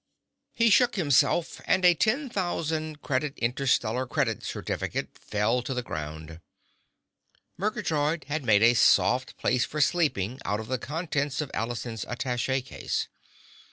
He shook himself, and a ten thousand credit interstellar credit certificate fell to the ground. Murgatroyd had made a soft place for sleeping out of the contents of Allison's attache case.